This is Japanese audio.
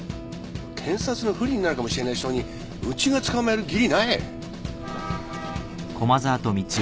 検察の不利になるかもしれない証人うちが捕まえる義理ない。